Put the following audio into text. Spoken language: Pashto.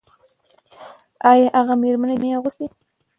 ایا هغه مېرمنې جامې واغوستې؟